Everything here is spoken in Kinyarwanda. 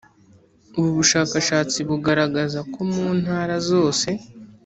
ubu bushakashatsi buragaragaza ko mu ntara zose